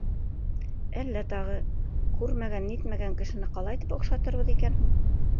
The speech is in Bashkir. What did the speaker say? — Әллә тағы, күрмәгән-нитмәгән кешене ҡалайтып оҡшатырбыҙ икән һуң?